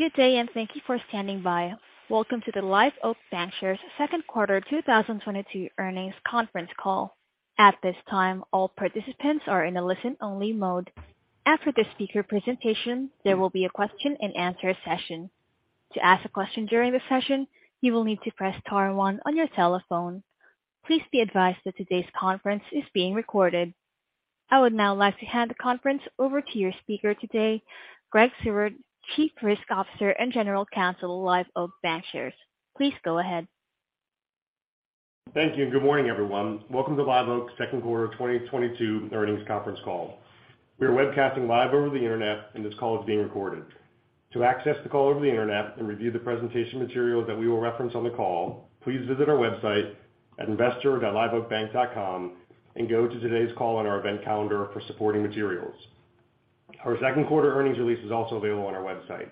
Good day, and thank you for standing by. Welcome to the Live Oak Bancshares Q2 2022 earnings conference call. At this time, all participants are in a listen-only mode. After the speaker presentation, there will be a question-and-answer session. To ask a question during the session, you will need to press star one on your telephone. Please be advised that today's conference is being recorded. I would now like to hand the conference over to your speaker today, Greg Seward, Chief Risk Officer and General Counsel, Live Oak Bancshares. Please go ahead. Thank you, and good morning, everyone. Welcome to Live Oak's Q2 2022 earnings conference call. We are webcasting live over the internet, and this call is being recorded. To access the call over the internet and review the presentation material that we will reference on the call, please visit our website at investor.liveoakbank.com and go to today's call on our event calendar for supporting materials. Our Q2 earnings release is also available on our website.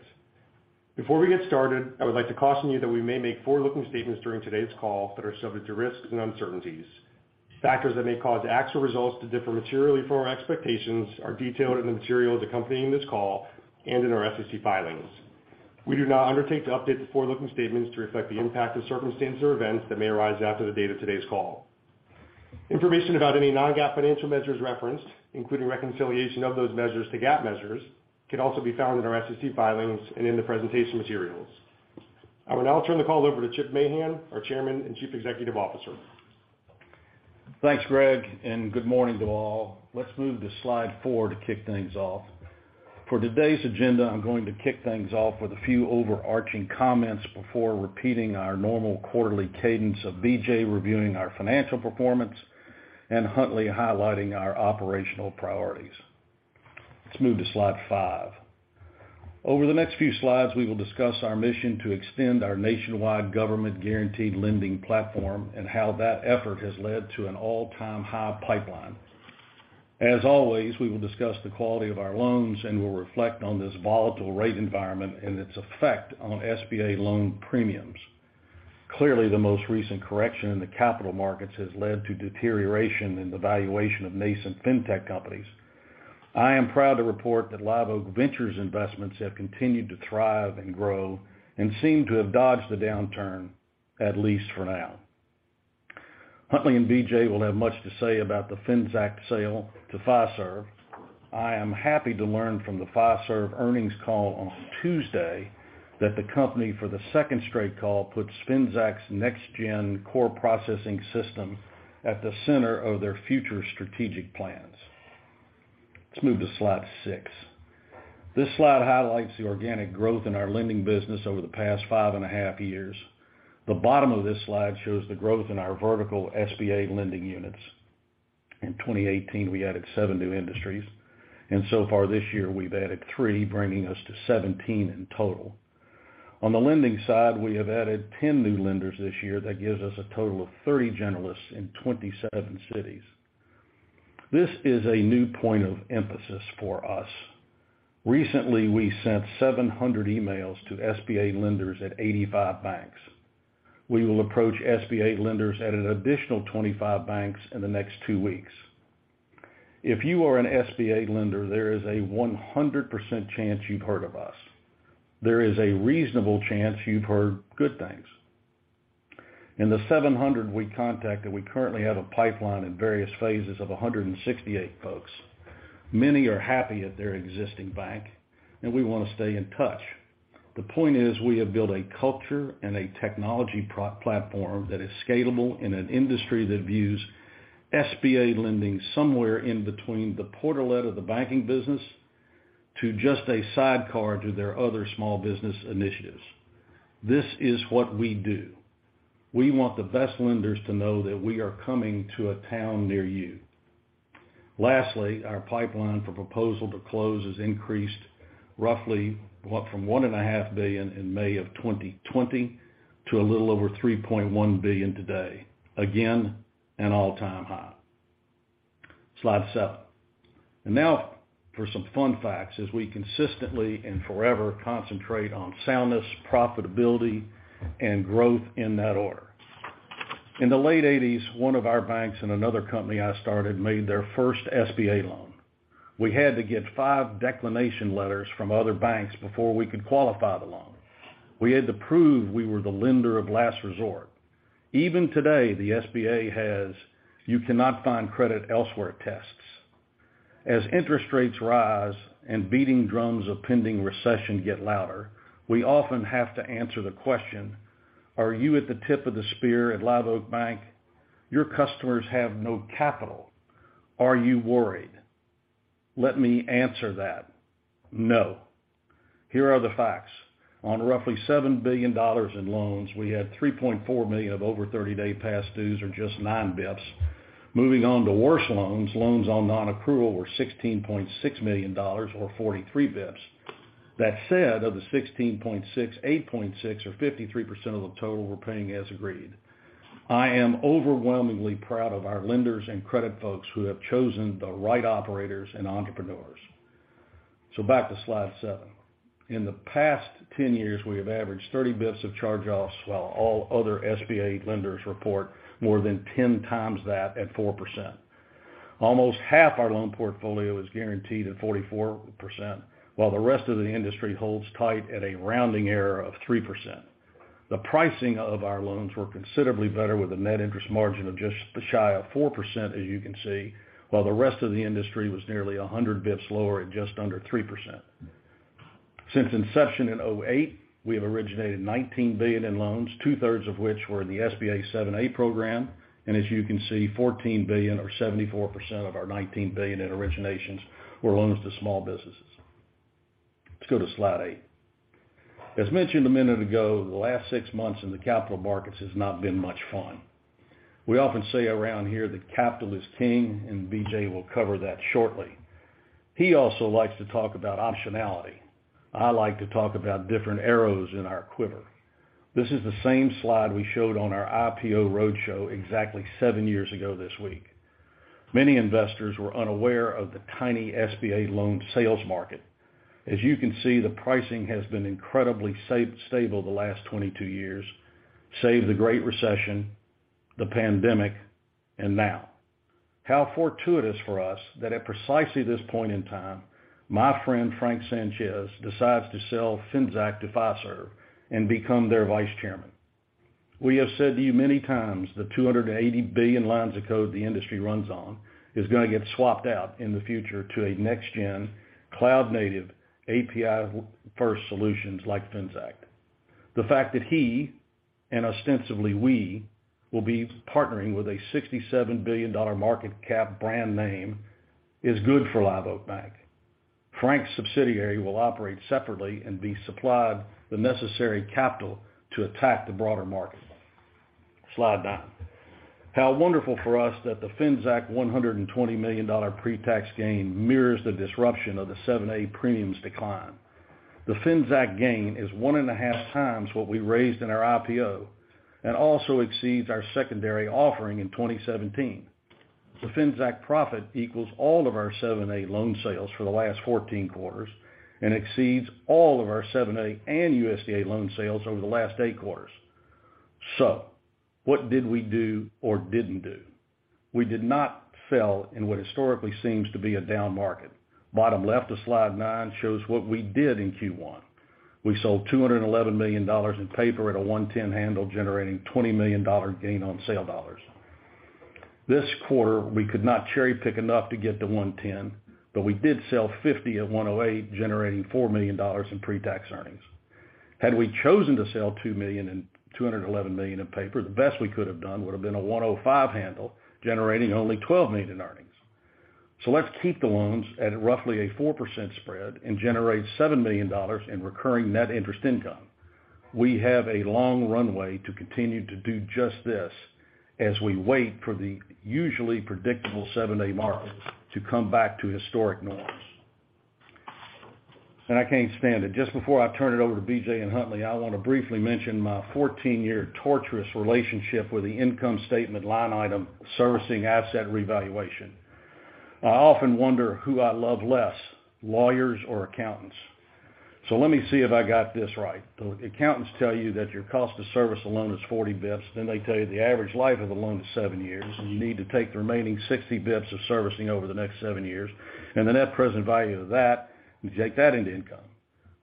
Before we get started, I would like to caution you that we may make forward-looking statements during today's call that are subject to risks and uncertainties. Factors that may cause actual results to differ materially from our expectations are detailed in the materials accompanying this call and in our SEC filings. We do not undertake to update the forward-looking statements to reflect the impact of circumstances or events that may arise after the date of today's call. Information about any non-GAAP financial measures referenced, including reconciliation of those measures to GAAP measures, can also be found in our SEC filings and in the presentation materials. I will now turn the call over to Chip Mahan, our Chairman and Chief Executive Officer. Thanks, Greg, and good morning to all. Let's move to Slide 4 to kick things off. For today's agenda, I'm going to kick things off with a few overarching comments before repeating our normal quarterly cadence of B.J. reviewing our financial performance and Huntley highlighting our operational priorities. Let's move to Slide 5. Over the next few slides, we will discuss our mission to extend our nationwide government-guaranteed lending platform and how that effort has led to an all-time high pipeline. As always, we will discuss the quality of our loans and will reflect on this volatile rate environment and its effect on SBA loan premiums. Clearly, the most recent correction in the capital markets has led to deterioration in the valuation of nascent fintech companies. I am proud to report that Live Oak Ventures investments have continued to thrive and grow and seem to have dodged the downturn, at least for now. Huntley and B.J. will have much to say about the Finxact sale to Fiserv. I am happy to learn from the Fiserv earnings call on Tuesday that the company, for the second straight call, puts Finxact's next-gen core processing system at the center of their future strategic plans. Let's move to Slide 6. This slide highlights the organic growth in our lending business over the past five and a half years. The bottom of this slide shows the growth in our vertical SBA lending units. In 2018, we added 7 new industries, and so far this year, we've added 3, bringing us to 17 in total. On the lending side, we have added 10 new lenders this year that gives us a total of 30 generalists in 27 cities. This is a new point of emphasis for us. Recently, we sent 700 emails to SBA lenders at 85 banks. We will approach SBA lenders at an additional 25 banks in the next two weeks. If you are an SBA lender, there is a 100% chance you've heard of us. There is a reasonable chance you've heard good things. In the 700 we contacted, we currently have a pipeline in various phases of 168 folks. Many are happy at their existing bank, and we wanna stay in touch. The point is we have built a culture and a technology platform that is scalable in an industry that views SBA lending somewhere in between the portlet of the banking business to just a sidecar to their other small business initiatives. This is what we do. We want the best lenders to know that we are coming to a town near you. Lastly, our pipeline for proposal to close has increased roughly, what? From $1.5 billion in May of 2020 to a little over $3.1 billion today. Again, an all-time high. Slide 7. Now for some fun facts as we consistently and forever concentrate on soundness, profitability, and growth, in that order. In the late 1980s, one of our banks and another company I started made their first SBA loan. We had to get 5 declination letters from other banks before we could qualify the loan. We had to prove we were the lender of last resort. Even today, the SBA has you cannot find credit elsewhere tests. As interest rates rise and beating drums of pending recession get louder, we often have to answer the question: Are you at the tip of the spear at Live Oak Bank? Your customers have no capital. Are you worried? Let me answer that. No. Here are the facts. On roughly $7 billion in loans, we had $3.4 million of over 30-day past dues or just 9 BPS. Moving on to worse loans on non-accrual were $16.6 million or 43 BPS. That said, of the $16.6 million, $8.6 million or 53% of the total were paying as agreed. I am overwhelmingly proud of our lenders and credit folks who have chosen the right operators and entrepreneurs. Back to Slide 7. In the past 10 years, we have averaged 30 BPS of charge-offs while all other SBA lenders report more than 10 times that at 4%. Almost half our loan portfolio is guaranteed at 44%, while the rest of the industry holds tight at a rounding error of 3%. The pricing of our loans were considerably better with a net interest margin of just shy of 4%, as you can see, while the rest of the industry was nearly 100 bps lower at just under 3%. Since inception in 2008, we have originated $19 billion in loans, two-thirds of which were in the SBA 7(a) program. As you can see, $14 billion or 74% of our $19 billion in originations were loans to small businesses. Let's go to Slide 8. As mentioned a minute ago, the last 6 months in the capital markets has not been much fun. We often say around here that capital is king, and B.J. will cover that shortly. He also likes to talk about optionality. I like to talk about different arrows in our quiver. This is the same slide we showed on our IPO roadshow exactly 7 years ago this week. Many investors were unaware of the tiny SBA loan sales market. As you can see, the pricing has been incredibly stable the last 22 years, save the Great Recession, the pandemic, and now. How fortuitous for us that at precisely this point in time, my friend Frank Sanchez decides to sell Finxact to Fiserv and become their vice chairman. We have said to you many times, the 280 billion lines of code the industry runs on is gonna get swapped out in the future to a next-gen, cloud-native, API-first solutions like Finxact. The fact that he, and ostensibly we, will be partnering with a $67 billion market cap brand name is good for Live Oak Bank. Frank's subsidiary will operate separately and be supplied the necessary capital to attack the broader market. Slide 9. How wonderful for us that the Finxact $120 million pre-tax gain mirrors the disruption of the 7(a) premiums decline. The Finxact gain is 1.5 times what we raised in our IPO and also exceeds our secondary offering in 2017. The Finxact profit equals all of our 7(a) loan sales for the last 14 quarters and exceeds all of our 7(a) and USDA loan sales over the last 8 quarters. What did we do or didn't do? We did not sell in what historically seems to be a down market. Bottom left of Slide 9 shows what we did in Q1. We sold $211 million in paper at a 110 handle, generating $20 million gain on sale dollars. This quarter, we could not cherry-pick enough to get to 110, but we did sell $50 million at 108, generating $4 million in pre-tax earnings. Had we chosen to sell 2 million and 211 million in paper, the best we could have done would've been a 105 handle, generating only $12 million in earnings. Let's keep the loans at roughly a 4% spread and generate $7 million in recurring net interest income. We have a long runway to continue to do just this as we wait for the usually predictable 7(a) market to come back to historic norms. I can't stand it. Just before I turn it over to B.J. and Huntley, I wanna briefly mention my 14-year torturous relationship with the income statement line item servicing asset revaluation. I often wonder who I love less, lawyers or accountants. Let me see if I got this right. The accountants tell you that your cost of service alone is 40 bps, then they tell you the average life of the loan is 7 years, and you need to take the remaining 60 bps of servicing over the next 7 years, and the net present value of that, and take that into income.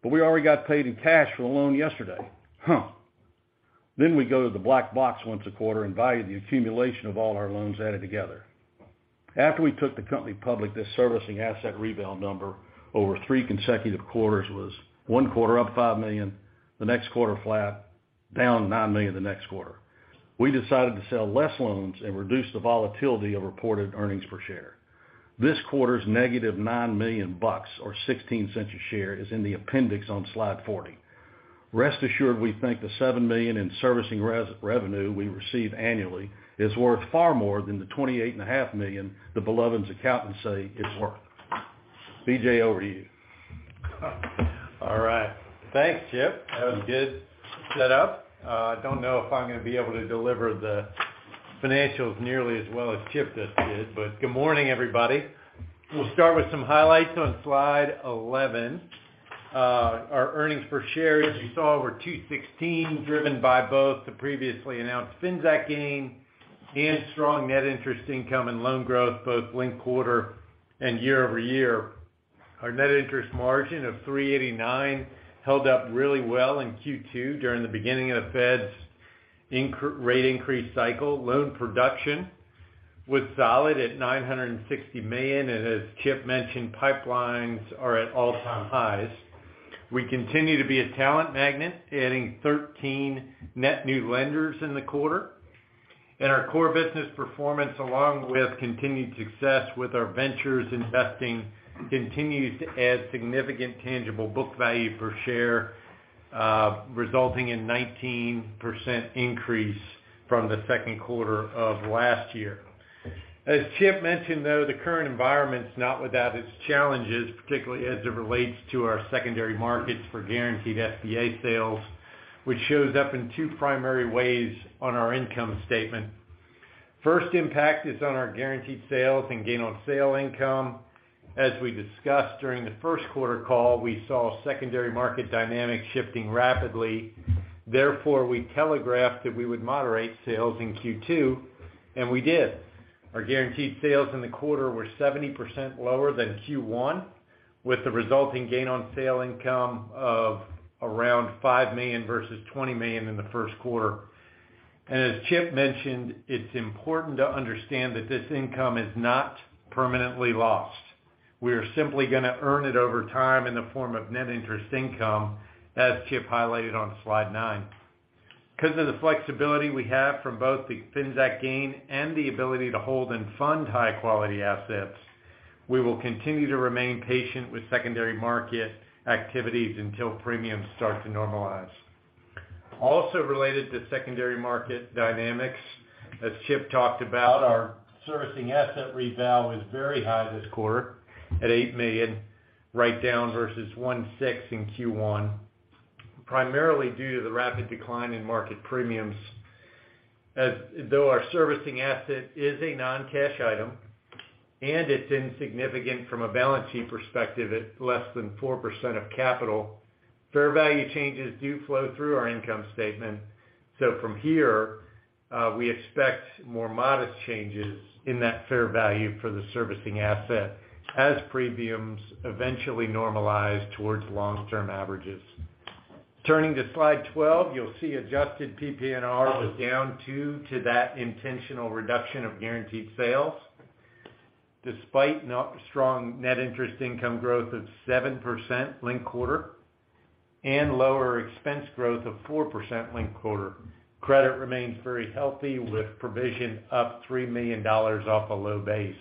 We already got paid in cash for the loan yesterday. Huh. We go to the black box once a quarter and value the accumulation of all our loans added together. After we took the company public, this servicing asset reval number over three consecutive quarters was one quarter up $5 million, the next quarter flat, down $9 million the next quarter. We decided to sell less loans and reduce the volatility of reported earnings per share. This quarter's negative $9 million bucks or 16 cents a share is in the appendix on Slide 40. Rest assured, we think the $7 million in servicing revenue we receive annually is worth far more than the $28.5 million the beloved's accountants say it's worth. B.J., over to you. All right. Thanks, Chip. That was a good setup. I don't know if I'm gonna be able to deliver the financials nearly as well as Chip just did, but good morning, everybody. We'll start with some highlights on Slide 11. Our earnings per share, as you saw, were $2.16, driven by both the previously announced Finxact gain and strong net interest income and loan growth, both linked quarter and year-over-year. Our net interest margin of 3.89% held up really well in Q2 during the beginning of the Fed's rate increase cycle. Loan production was solid at $960 million, and as Chip mentioned, pipelines are at all-time highs. We continue to be a talent magnet, adding 13 net new lenders in the quarter. Our core business performance, along with continued success with our ventures investing, continues to add significant tangible book value per share, resulting in 19% increase from the Q2 of last year. As Chip mentioned, though, the current environment's not without its challenges, particularly as it relates to our secondary markets for guaranteed SBA sales, which shows up in two primary ways on our income statement. First impact is on our guaranteed sales and gain on sale income. As we discussed during the Q1 call, we saw secondary market dynamics shifting rapidly. Therefore, we telegraphed that we would moderate sales in Q2, and we did. Our guaranteed sales in the quarter were 70% lower than Q1, with the resulting gain on sale income of around $5 million versus $20 million in the Q1. As Chip mentioned, it's important to understand that this income is not permanently lost. We are simply gonna earn it over time in the form of net interest income, as Chip highlighted on Slide 9. Because of the flexibility we have from both the fintech gain and the ability to hold and fund high-quality assets, we will continue to remain patient with secondary market activities until premiums start to normalize. Also related to secondary market dynamics, as Chip talked about, our servicing asset reval was very high this quarter at $8 million write down versus $1.6 million in Q1, primarily due to the rapid decline in market premiums. As though our servicing asset is a non-cash item, and it's insignificant from a balance sheet perspective at less than 4% of capital, fair value changes do flow through our income statement. From here, we expect more modest changes in that fair value for the servicing asset as premiums eventually normalize towards long-term averages. Turning to Slide 12, you'll see adjusted PPNR was down 2% to that intentional reduction of guaranteed sales, despite robust net interest income growth of 7% linked quarter and lower expense growth of 4% linked quarter. Credit remains very healthy, with provision up $3 million off a low base.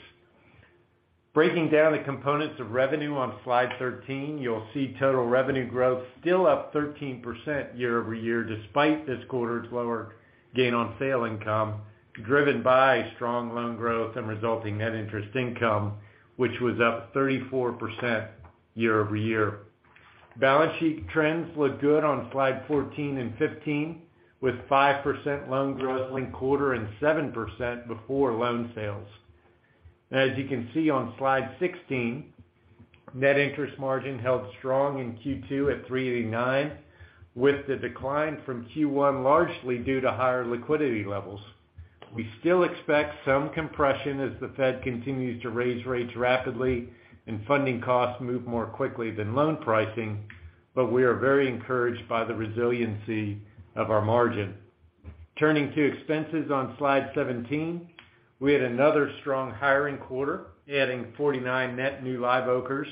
Breaking down the components of revenue on Slide 13, you'll see total revenue growth still up 13% year-over-year, despite this quarter's lower gain on sale income, driven by strong loan growth and resulting net interest income, which was up 34% year-over-year. Balance sheet trends look good on Slide 14 and 15, with 5% loan growth linked quarter and 7% before loan sales. As you can see on Slide 16, net interest margin held strong in Q2 at 3.89%, with the decline from Q1 largely due to higher liquidity levels. We still expect some compression as the Fed continues to raise rates rapidly and funding costs move more quickly than loan pricing, but we are very encouraged by the resiliency of our margin. Turning to expenses on Slide 17, we had another strong hiring quarter, adding 49 net new Live Oakers,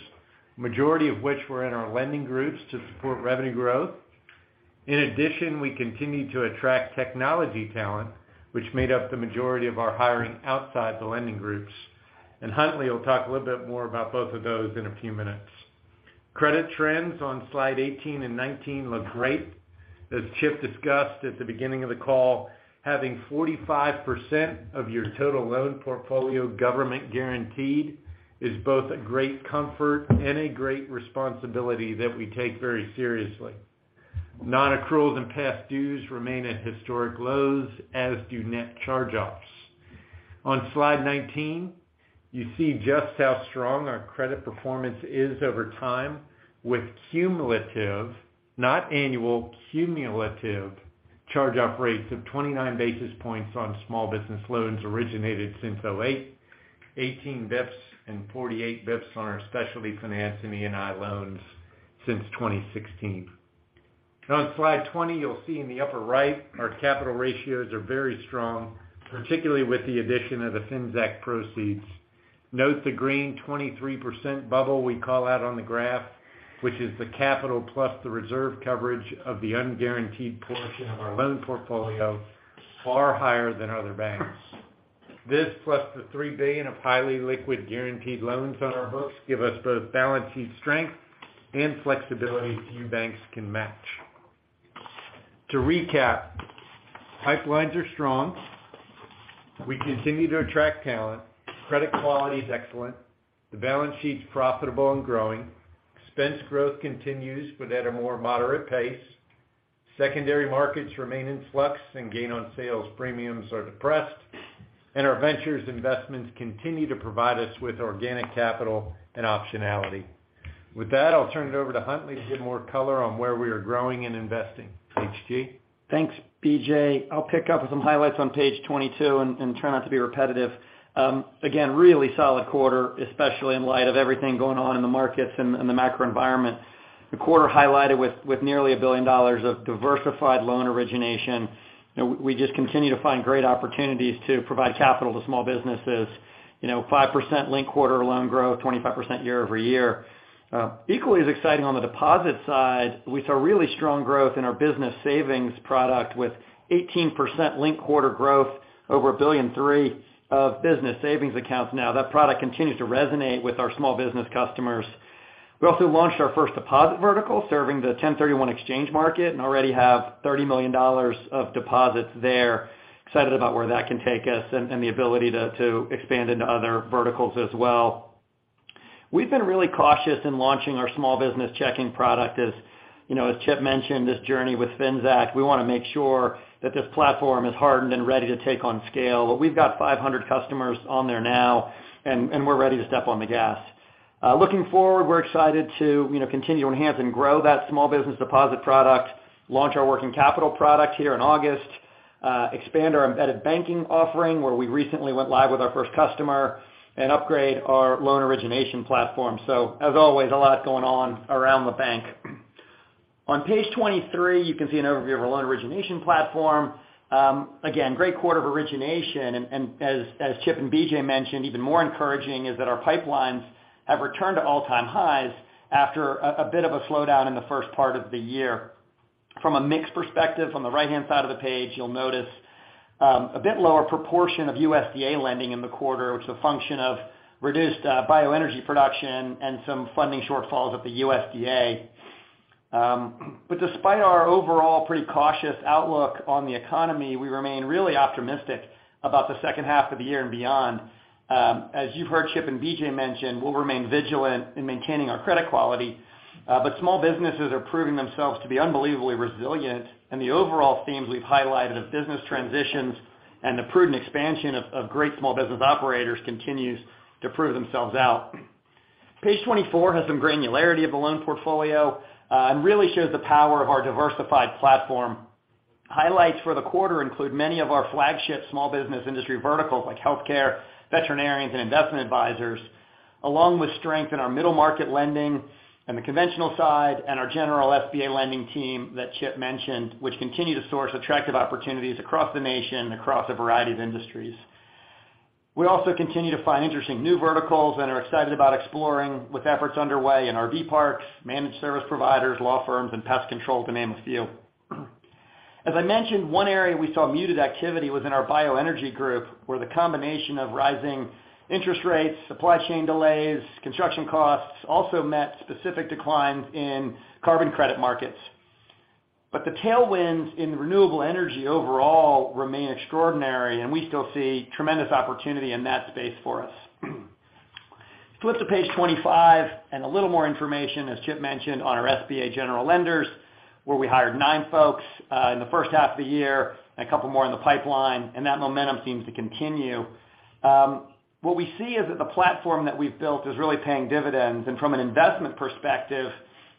majority of which were in our lending groups to support revenue growth. In addition, we continued to attract technology talent, which made up the majority of our hiring outside the lending groups. Huntley will talk a little bit more about both of those in a few minutes. Credit trends on Slide 18 and 19 look great. As Chip discussed at the beginning of the call, having 45% of your total loan portfolio government guaranteed is both a great comfort and a great responsibility that we take very seriously. Non-accruals and past dues remain at historic lows, as do net charge-offs. On Slide 19, you see just how strong our credit performance is over time with cumulative, not annual, cumulative charge-off rates of 29 basis points on small business loans originated since 2008, 18 basis points and 48 basis points on our specialty finance and E&I loans since 2016. On Slide 20, you'll see in the upper right, our capital ratios are very strong, particularly with the addition of the fintech proceeds. Note the green 23% bubble we call out on the graph, which is the capital plus the reserve coverage of the unguaranteed portion of our loan portfolio, far higher than other banks. This plus the $3 billion of highly liquid guaranteed loans on our books give us both balance sheet strength and flexibility few banks can match. To recap, pipelines are strong, we continue to attract talent, credit quality is excellent, the balance sheet's profitable and growing, expense growth continues but at a more moderate pace, secondary markets remain in flux and gain on sales premiums are depressed, and our ventures investments continue to provide us with organic capital and optionality. With that, I'll turn it over to Huntley to give more color on where we are growing and investing. H.G.? Thanks, B.J. I'll pick up with some highlights on page 22 and try not to be repetitive. Again, really solid quarter, especially in light of everything going on in the markets and the macro environment. The quarter highlighted with nearly $1 billion of diversified loan origination. You know, we just continue to find great opportunities to provide capital to small businesses. You know, 5% linked-quarter loan growth, 25% year-over-year. Equally as exciting on the deposit side, we saw really strong growth in our business savings product with 18% linked-quarter growth over $1.3 billion of business savings accounts now. That product continues to resonate with our small business customers. We also launched our first deposit vertical serving the 1031 exchange market and already have $30 million of deposits there. Excited about where that can take us and the ability to expand into other verticals as well. We've been really cautious in launching our small business checking product. As you know, as Chip mentioned, this journey with Finxact, we wanna make sure that this platform is hardened and ready to take on scale. We've got 500 customers on there now, and we're ready to step on the gas. Looking forward, we're excited to, you know, continue to enhance and grow that small business deposit product, launch our working capital product here in August, expand our embedded banking offering, where we recently went live with our first customer, and upgrade our loan origination platform. As always, a lot going on around the bank. On page 23, you can see an overview of our loan origination platform. Again, great quarter of origination. As Chip and B.J. mentioned, even more encouraging is that our pipelines have returned to all-time highs after a bit of a slowdown in the first part of the year. From a mix perspective, on the right-hand side of the page, you'll notice a bit lower proportion of USDA lending in the quarter, which is a function of reduced bioenergy production and some funding shortfalls at the USDA. Despite our overall pretty cautious outlook on the economy, we remain really optimistic about the second half of the year and beyond. As you've heard Chip and B.J. mention, we'll remain vigilant in maintaining our credit quality, but small businesses are proving themselves to be unbelievably resilient, and the overall themes we've highlighted of business transitions and the prudent expansion of great small business operators continues to prove themselves out. Page 24 has some granularity of the loan portfolio, and really shows the power of our diversified platform. Highlights for the quarter include many of our flagship small business industry verticals like healthcare, veterinarians, and investment advisors, along with strength in our middle market lending in the conventional side and our general SBA lending team that Chip mentioned, which continue to source attractive opportunities across the nation and across a variety of industries. We also continue to find interesting new verticals and are excited about exploring with efforts underway in RV parks, managed service providers, law firms, and pest control, to name a few. As I mentioned, one area we saw muted activity was in our bioenergy group, where the combination of rising interest rates, supply chain delays, construction costs also met specific declines in carbon credit markets. The tailwinds in renewable energy overall remain extraordinary, and we still see tremendous opportunity in that space for us. Flip to page 25, and a little more information, as Chip mentioned, on our SBA general lenders, where we hired nine folks in the first half of the year and a couple more in the pipeline, and that momentum seems to continue. What we see is that the platform that we've built is really paying dividends. From an investment perspective,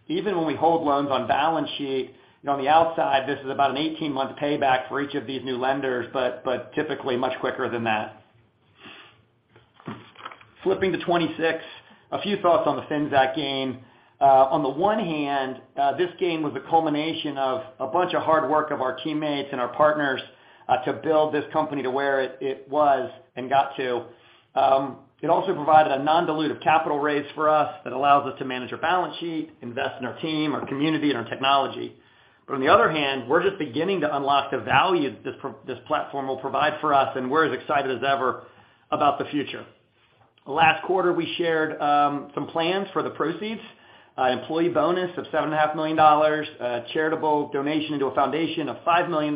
even when we hold loans on balance sheet, you know, on the outside, this is about an 18-month payback for each of these new lenders, but typically much quicker than that. Flipping to 26, a few thoughts on the Finxact gain. On the one hand, this gain was a culmination of a bunch of hard work of our teammates and our partners to build this company to where it was and got to. It also provided a non-dilutive capital raise for us that allows us to manage our balance sheet, invest in our team, our community, and our technology. On the other hand, we're just beginning to unlock the value this platform will provide for us, and we're as excited as ever about the future. Last quarter, we shared some plans for the proceeds, an employee bonus of $7.5 million, a charitable donation into a foundation of $5 million,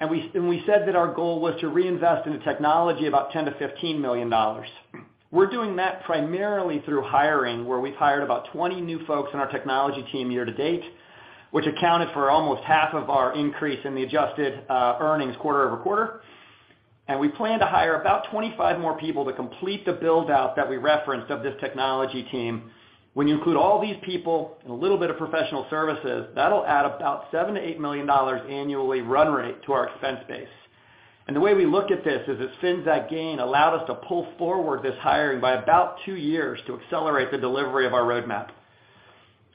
and we said that our goal was to reinvest in the technology about $10-$15 million. We're doing that primarily through hiring, where we've hired about 20 new folks in our technology team year to date, which accounted for almost half of our increase in the adjusted earnings quarter-over-quarter. We plan to hire about 25 more people to complete the build-out that we referenced of this technology team. When you include all these people and a little bit of professional services, that'll add about $7 million-$8 million annual run rate to our expense base. The way we look at this is this Finxact gain allowed us to pull forward this hiring by about 2 years to accelerate the delivery of our roadmap.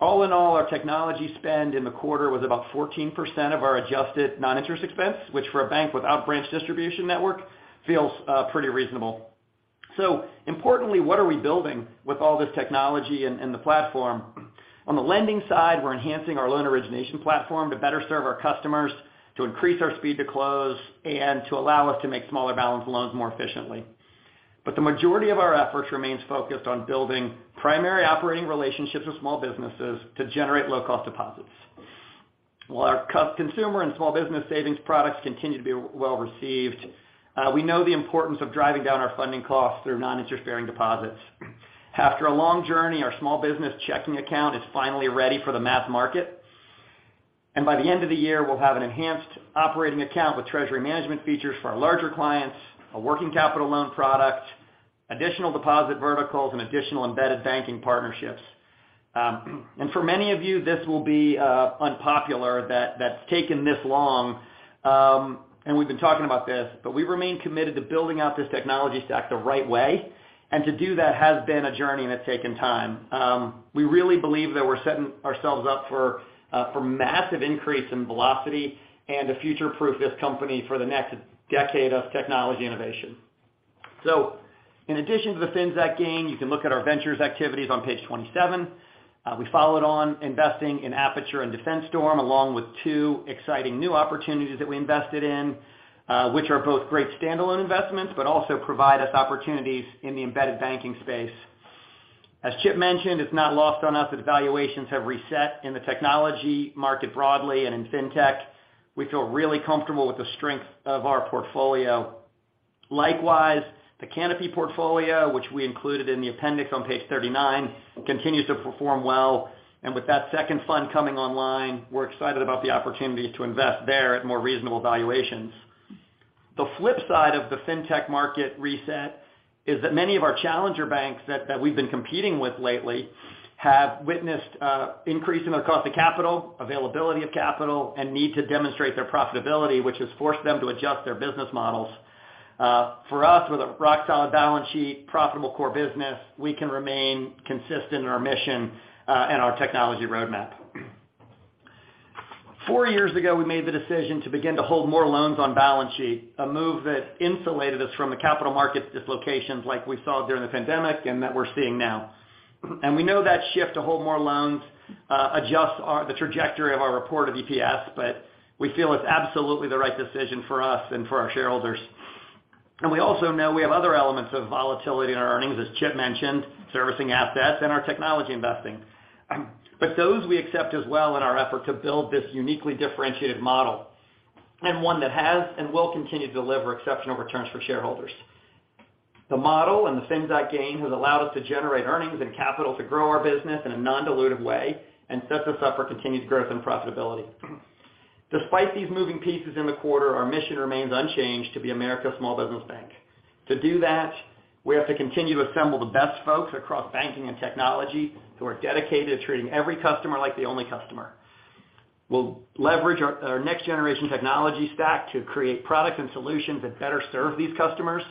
All in all, our technology spend in the quarter was about 14% of our adjusted non-interest expense, which for a bank without branch distribution network feels pretty reasonable. Importantly, what are we building with all this technology and the platform? On the lending side, we're enhancing our loan origination platform to better serve our customers, to increase our speed to close, and to allow us to make smaller balance loans more efficiently. The majority of our efforts remains focused on building primary operating relationships with small businesses to generate low-cost deposits. While our consumer and small business savings products continue to be well received, we know the importance of driving down our funding costs through non-interest-bearing deposits. After a long journey, our small business checking account is finally ready for the mass market. By the end of the year, we'll have an enhanced operating account with treasury management features for our larger clients, a working capital loan product, additional deposit verticals, and additional embedded banking partnerships. For many of you, this will be unpopular that that's taken this long, and we've been talking about this, but we remain committed to building out this technology stack the right way, and to do that has been a journey, and it's taken time. We really believe that we're setting ourselves up for massive increase in velocity and to future-proof this company for the next decade of technology innovation. In addition to the Finxact gain, you can look at our ventures activities on page 27. We followed on investing in Apiture and DefenseStorm, along with two exciting new opportunities that we invested in, which are both great standalone investments but also provide us opportunities in the embedded banking space. As Chip mentioned, it's not lost on us that valuations have reset in the technology market broadly and in finfech. We feel really comfortable with the strength of our portfolio. Likewise, the Canapi portfolio, which we included in the appendix on page 39, continues to perform well. With that second fund coming online, we're excited about the opportunity to invest there at more reasonable valuations. The flip side of the fintech market reset is that many of our challenger banks that we've been competing with lately have witnessed increase in the cost of capital, availability of capital, and need to demonstrate their profitability, which has forced them to adjust their business models. For us, with a rock-solid balance sheet, profitable core business, we can remain consistent in our mission and our technology roadmap. Four years ago, we made the decision to begin to hold more loans on balance sheet, a move that insulated us from the capital market dislocations like we saw during the pandemic and that we're seeing now. We know that shift to hold more loans adjusts the trajectory of our reported EPS, but we feel it's absolutely the right decision for us and for our shareholders. We also know we have other elements of volatility in our earnings, as Chip mentioned, servicing assets and our technology investing. Those we accept as well in our effort to build this uniquely differentiated model and one that has and will continue to deliver exceptional returns for shareholders. The model and the fintech gain has allowed us to generate earnings and capital to grow our business in a non-dilutive way and sets us up for continued growth and profitability. Despite these moving pieces in the quarter, our mission remains unchanged to be America's small business bank. To do that, we have to continue to assemble the best folks across banking and technology who are dedicated to treating every customer like the only customer. We'll leverage our next generation technology stack to create products and solutions that better serve these customers,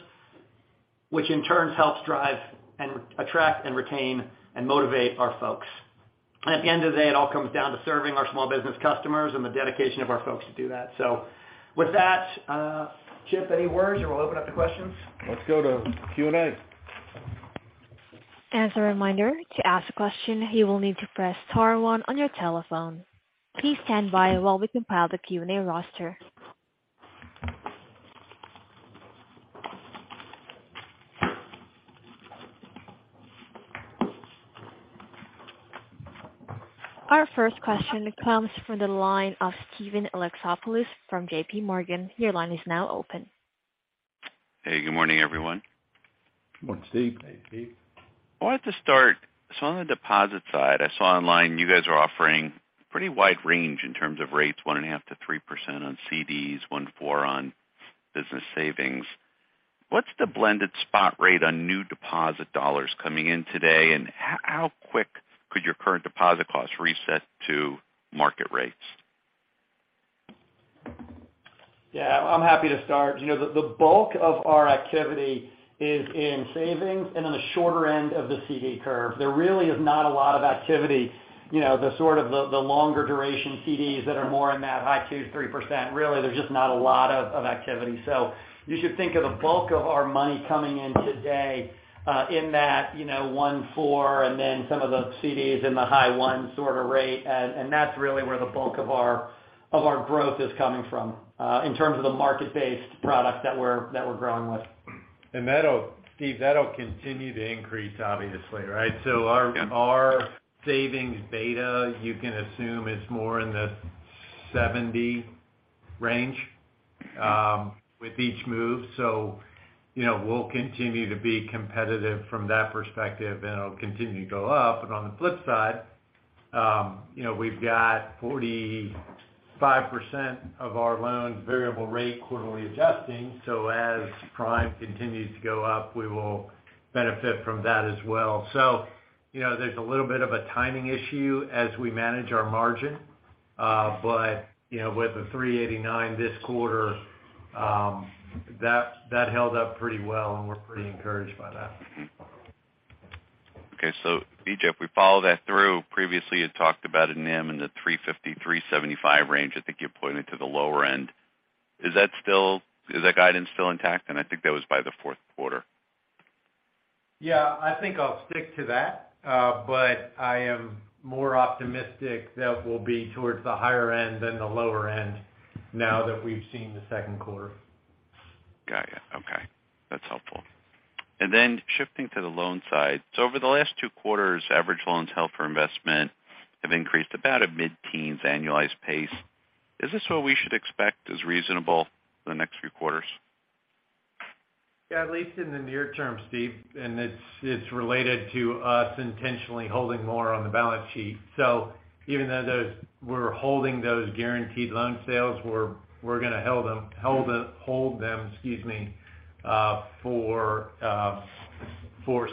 which in turn helps drive and attract and retain and motivate our folks. At the end of the day, it all comes down to serving our small business customers and the dedication of our folks to do that. With that, Chip, any words, and we'll open up the questions. Let's go to Q&A. As a reminder, to ask a question, you will need to press star one on your telephone. Please stand by while we compile the Q&A roster. Our first question comes from the line of Steven Alexopoulos from JPMorgan. Your line is now open. Hey, good morning, everyone. Good morning, Steve. Hey, Steve. I wanted to start. On the deposit side, I saw online you guys are offering pretty wide range in terms of rates, 1.5%-3% on CDs, 1.4% on business savings. What's the blended spot rate on new deposit dollars coming in today, and how quick could your current deposit costs reset to market rates? Yeah, I'm happy to start. You know, the bulk of our activity is in savings and on the shorter end of the CD curve. There really is not a lot of activity, you know, the longer duration CDs that are more in that high 2%-3%. Really, there's just not a lot of activity. You should think of the bulk of our money coming in today in that 1-4 and then some of the CDs in the high 1% sorta rate. That's really where the bulk of our growth is coming from in terms of the market-based products that we're growing with. Steve, that'll continue to increase, obviously, right? Yeah. Our savings beta, you can assume, is more in the 70 range with each move. You know, we'll continue to be competitive from that perspective, and it'll continue to go up. On the flip side, you know, we've got 45% of our loans variable rate quarterly adjusting. As prime continues to go up, we will benefit from that as well. You know, there's a little bit of a timing issue as we manage our margin. You know, with the 3.89 this quarter, that held up pretty well, and we're pretty encouraged by that. Okay. B.J., if we follow that through, previously you talked about a NIM in the 3.50%-3.75% range. I think you pointed to the lower end. Is that guidance still intact? I think that was by the Q4. Yeah, I think I'll stick to that. I am more optimistic that we'll be towards the higher end than the lower end now that we've seen the Q2. Got it. Okay. That's helpful. Shifting to the loan side. Over the last two quarters, average loans held for investment have increased about a mid-teens annualized pace. Is this what we should expect as reasonable for the next few quarters? Yeah, at least in the near term, Steven, and it's related to us intentionally holding more on the balance sheet. Even though we're holding those guaranteed loan sales, we're gonna held them, hold them, excuse me, for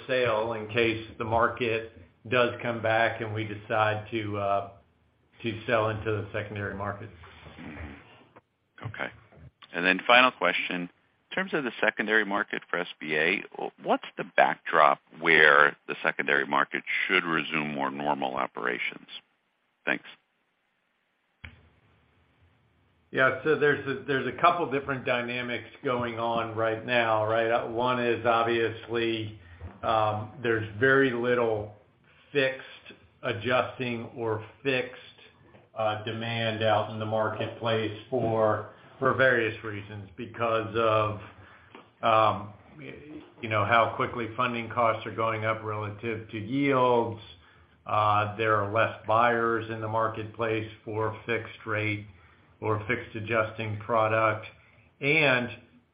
sale in case the market does come back and we decide to sell into the secondary markets. Okay. Final question. In terms of the secondary market for SBA, what's the backdrop where the secondary market should resume more normal operations? Thanks. Yeah. There's a couple different dynamics going on right now, right? One is obviously, there's very little fixed adjustable or fixed demand out in the marketplace for various reasons because of you know, how quickly funding costs are going up relative to yields. There are less buyers in the marketplace for fixed rate or fixed adjustable product.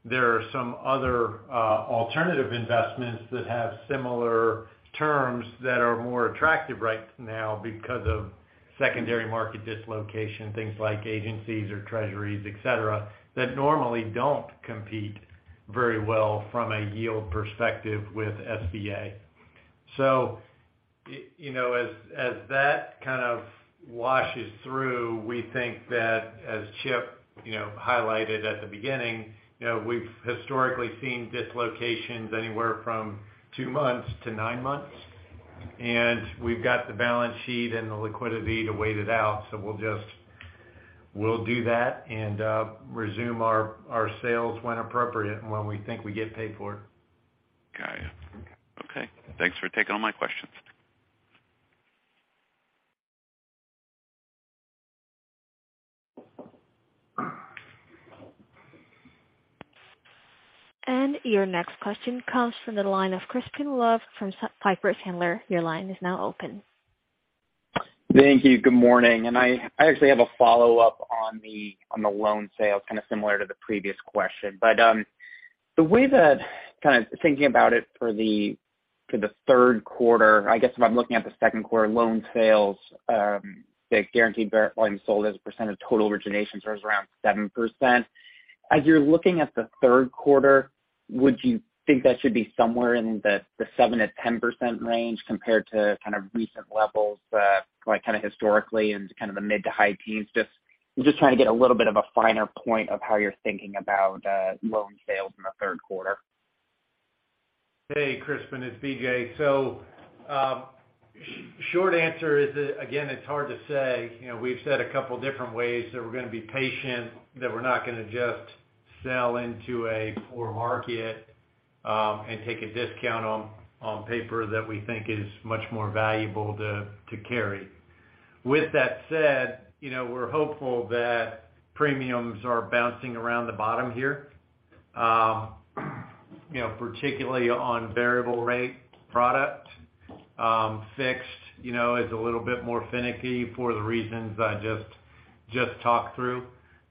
There are some other alternative investments that have similar terms that are more attractive right now because of secondary market dislocation, things like agencies or treasuries, et cetera, that normally don't compete very well from a yield perspective with SBA. You know, as that kind of washes through, we think that as Chip you know, highlighted at the beginning, you know, we've historically seen dislocations anywhere from two months to nine months. We've got the balance sheet and the liquidity to wait it out, so we'll just do that and resume our sales when appropriate and when we think we get paid for it. Got it. Okay. Thanks for taking all my questions. Your next question comes from the line of Crispin Love from Piper Sandler. Your line is now open. Thank you. Good morning. I actually have a follow-up on the loan sale, kind of similar to the previous question. The way that, kind of thinking about it for the Q3, I guess if I'm looking at the Q2 loan sales, that guaranteed volume sold as a percent of total originations was around 7%. As you're looking at the Q3, would you think that should be somewhere in the 7%-10% range compared to kind of recent levels, like kind of historically into kind of the mid-to-high teens? I'm just trying to get a little bit of a finer point of how you're thinking about loan sales in the Q3. Hey, Crispin, it's B.J. Short answer is, again, it's hard to say. You know, we've said a couple different ways that we're gonna be patient, that we're not gonna just sell into a poor market, and take a discount on paper that we think is much more valuable to carry. With that said, you know, we're hopeful that premiums are bouncing around the bottom here. You know, particularly on variable rate product. Fixed, you know, is a little bit more finicky for the reasons I just talked through.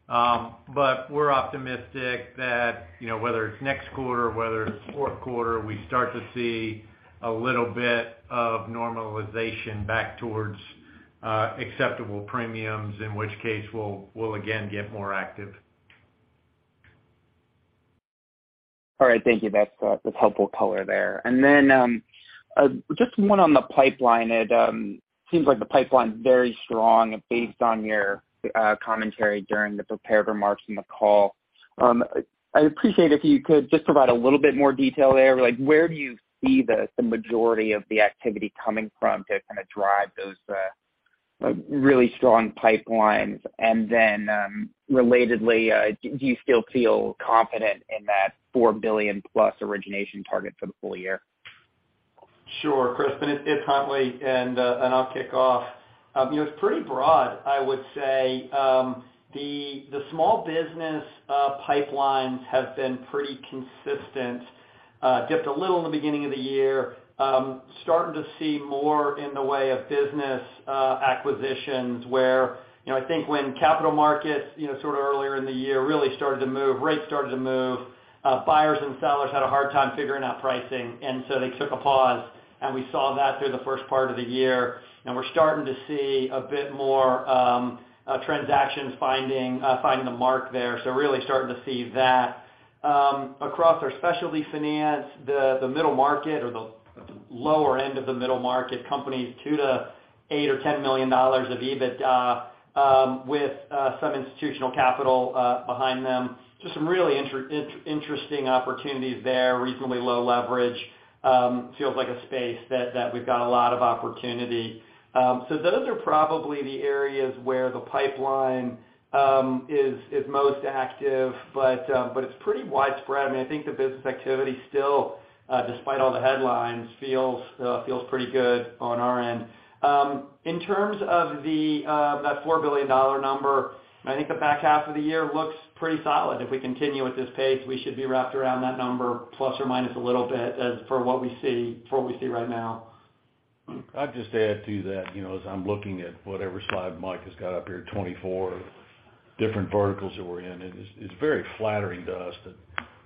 But we're optimistic that, you know, whether it's next quarter, whether it's Q4, we start to see a little bit of normalization back towards acceptable premiums, in which case we'll again get more active. All right. Thank you. That's helpful color there. Just one on the pipeline. It seems like the pipeline's very strong based on your commentary during the prepared remarks in the call. I'd appreciate if you could just provide a little bit more detail there. Like, where do you see the majority of the activity coming from to kind of drive those really strong pipelines? Relatedly, do you still feel confident in that $4 billion-plus origination target for the full year? Sure, Crispin. It's Huntley, and I'll kick off. You know, it's pretty broad, I would say. The small business pipelines have been pretty consistent. Dipped a little in the beginning of the year. Starting to see more in the way of business acquisitions where, you know, I think when capital markets, you know, sort of earlier in the year really started to move, rates started to move, buyers and sellers had a hard time figuring out pricing, and so they took a pause, and we saw that through the first part of the year. We're starting to see a bit more, transactions finding the mark there. Really starting to see that. Across our specialty finance, the middle market or the lower end of the middle market companies, $2 million-$8 million or $10 million of EBITDA, with some institutional capital behind them. Just some really interesting opportunities there, reasonably low leverage. Feels like a space that we've got a lot of opportunity. So those are probably the areas where the pipeline is most active, but it's pretty widespread. I mean, I think the business activity still, despite all the headlines, feels pretty good on our end. In terms of that $4 billion number, I think the back half of the year looks pretty solid. If we continue at this pace, we should be wrapped around that number, plus or minus a little bit, as for what we see right now. I'd just add to that, you know, as I'm looking at whatever slide Mike has got up here, 24 different verticals that we're in. It's very flattering to us that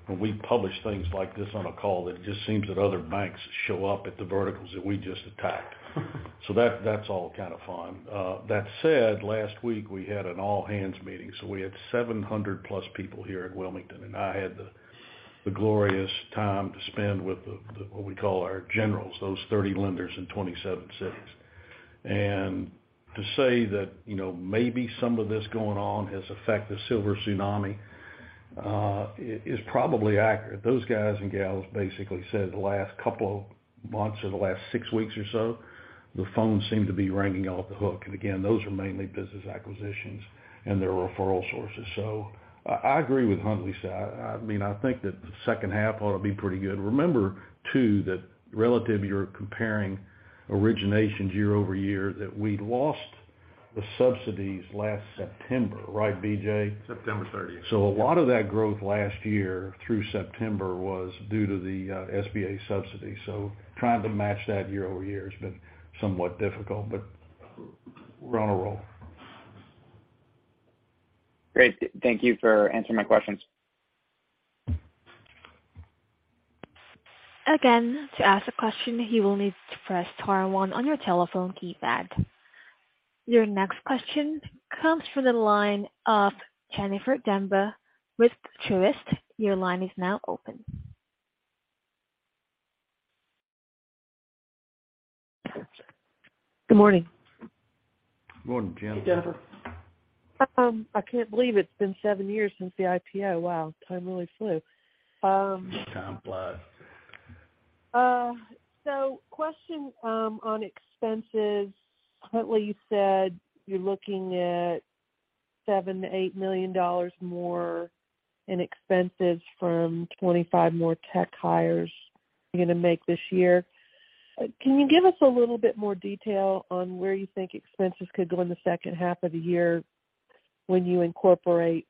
when we publish things like this on a call, that it just seems that other banks show up at the verticals that we just attacked. That's all kind of fun. That said, last week we had an all hands meeting, so we had 700+ people here at Wilmington, and I had the glorious time to spend with what we call our generals, those 30 lenders in 27 cities. To say that, you know, maybe some of this going on has affected Silver Tsunami is probably accurate. Those guys and gals basically said the last couple months or the last six weeks or so, the phones seem to be ringing off the hook. Again, those are mainly business acquisitions and their referral sources. I agree with Huntley. I mean, I think that the second half ought to be pretty good. Remember, too, that relatively, you're comparing originations year over year, that we'd lost the subsidies last September, right, B.J.? September 30th. A lot of that growth last year through September was due to the SBA subsidy. Trying to match that year-over-year has been somewhat difficult, but we're on a roll. Great. Thank you for answering my questions. Again, to ask a question, you will need to press star one on your telephone keypad. Your next question comes from the line of Jennifer Demba with Truist. Your line is now open. Good morning. Good morning, Jennifer. Jennifer. I can't believe it's been 7 years since the IPO. Wow, time really flew. Time flies. Question on expenses. Huntley, you said you're looking at $7 million-$8 million more in expenses from 25 more tech hires you're gonna make this year. Can you give us a little bit more detail on where you think expenses could go in the second half of the year when you incorporate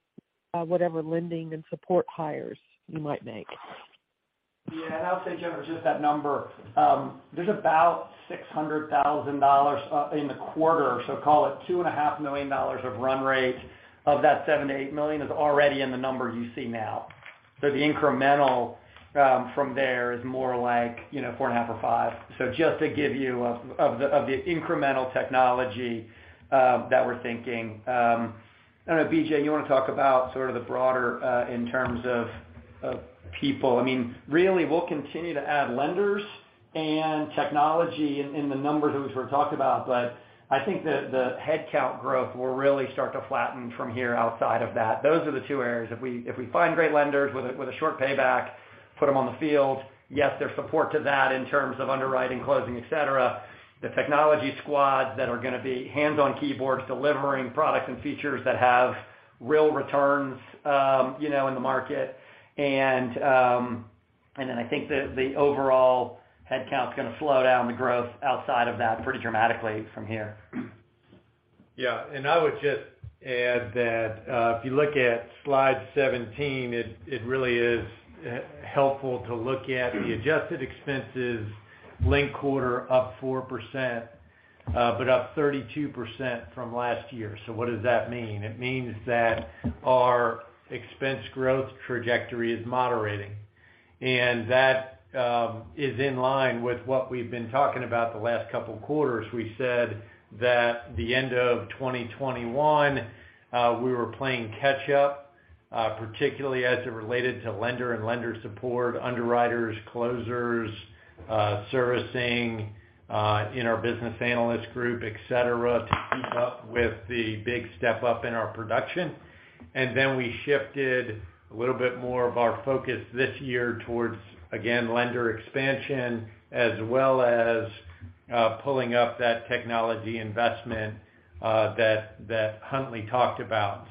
whatever lending and support hires you might make? Yeah. I'll say, Jennifer, just that number. There's about $600,000 in the quarter. Call it $2.5 million of run rate of that $7 million-$8 million is already in the number you see now. The incremental from there is more like, you know, $4.5 million or $5 million. Just to give you of the incremental technology that we're thinking. I don't know, B.J., you wanna talk about sort of the broader in terms of people. I mean, really we'll continue to add lenders and technology in the numbers we've talked about. I think the headcount growth will really start to flatten from here outside of that. Those are the two areas. If we find great lenders with a short payback, put them on the field, yes, there's support to that in terms of underwriting, closing, et cetera. The technology squad that are gonna be hands-on keyboards, delivering products and features that have real returns, you know, in the market. I think the overall headcount is gonna slow down the growth outside of that pretty dramatically from here. Yeah. I would just add that, if you look at Slide 17, it really is helpful to look at the adjusted expenses linked quarter up 4%, but up 32% from last year. What does that mean? It means that our expense growth trajectory is moderating, and that is in line with what we've been talking about the last couple quarters. We said that the end of 2021, we were playing catch up, particularly as it related to lender and lender support, underwriters, closers, servicing, in our business analyst group, et cetera, to keep up with the big step up in our production. Then we shifted a little bit more of our focus this year towards, again, lender expansion as well as, pulling up that technology investment, that Huntley talked about.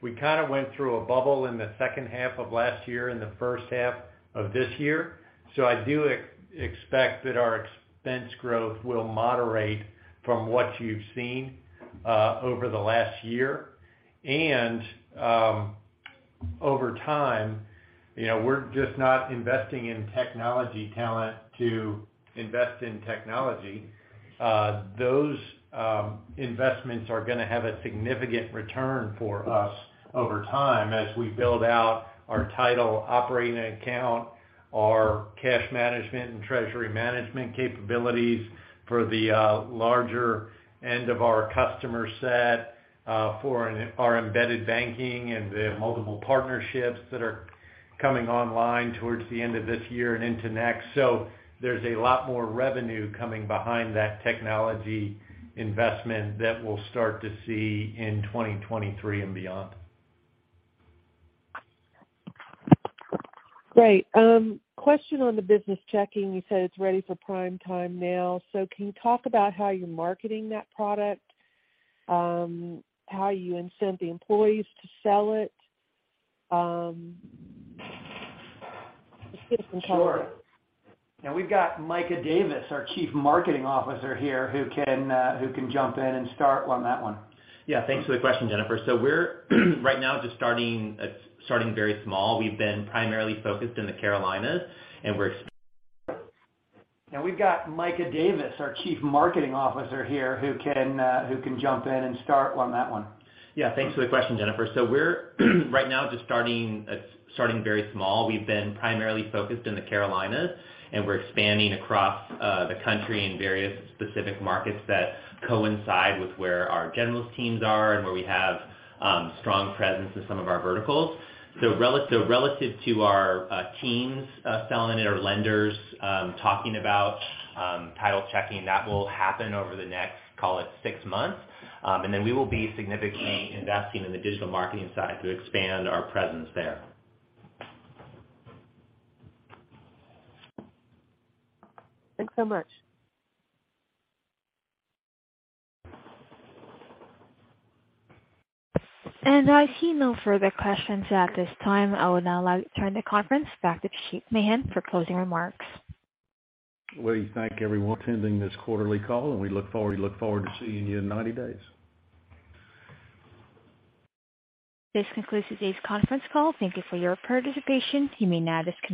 We kind of went through a bubble in the second half of last year and the first half of this year. I do expect that our expense growth will moderate from what you've seen over the last year. Over time, you know, we're just investing in technology talent to invest in technology. Those investments are gonna have a significant return for us over time as we build out our digital operating account, our cash management and treasury management capabilities for the larger end of our customer set for our embedded banking and the multiple partnerships that are coming online towards the end of this year and into next. There's a lot more revenue coming behind that technology investment that we'll start to see in 2023 and beyond. Great. Question on the business checking. You said it's ready for prime time now. Can you talk about how you're marketing that product? How you incent the employees to sell it? Just give some color. Sure. Now we've got Micah Davis, our Chief Marketing Officer here, who can jump in and start on that one. Yeah, thanks for the question, Jennifer. We're right now just starting very small. We've been primarily focused in the Carolinas, and we're- Now we've got Micah Davis, our Chief Marketing Officer here, who can jump in and start on that one. Yeah, thanks for the question, Jennifer. We're right now just starting very small. We've been primarily focused in the Carolinas, and we're expanding across the country in various specific markets that coincide with where our generalist teams are and where we have strong presence in some of our verticals. Relative to our teams selling it or lenders talking about Business Checking, that will happen over the next, call it, six months. And then we will be significantly investing in the digital marketing side to expand our presence there. Thanks so much. I see no further questions at this time. I will now return the conference back to Chip Mahan for closing remarks. We thank everyone attending this quarterly call, and we look forward to seeing you in 90 days. This concludes today's conference call. Thank you for your participation. You may now disconnect.